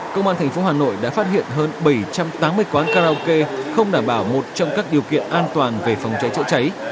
công an tp hà nội đã phát hiện hơn bảy trăm tám mươi quán karaoke không đảm bảo một trong các điều kiện an toàn về phòng cháy chữa cháy